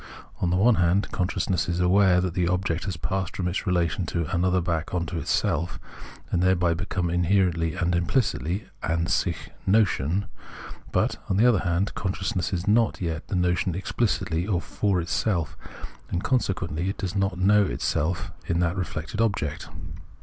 On the one hand, consciousness is aware that the object has passed from its relation to an other back into itself, and thereby become inherentlj^ and implicitly {an sich) notion ; but, on the other hand, consciousness is not yet the notion explicitly or for itself, and consequently it does not know itself in that reflected object.